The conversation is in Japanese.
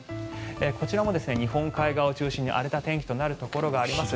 こちらも日本海側を中心に荒れた天気となるところがあります。